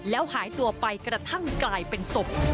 แล้วหายตัวไปกระทั่งกลายเป็นศพ